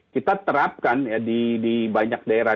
kita terapkan di banyak daerah